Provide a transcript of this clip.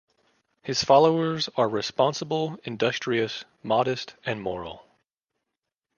His followers are responsible, industrious, modest, and moral.